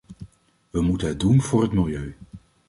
We moeten het doen voor het milieu.